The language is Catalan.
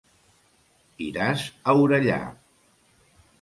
Iràs a Orellà!